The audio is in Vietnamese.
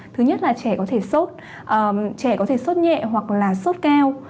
thứ nhất là trẻ có thể sốt trẻ có thể sốt nhẹ hoặc là sốt cao